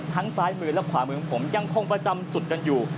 ซ้ายมือและขวามือของผมยังคงประจำจุดกันอยู่